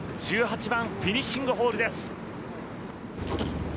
１８番フィニッシングホールです。